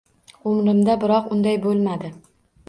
Umrimda biroq unday bo’lmadi.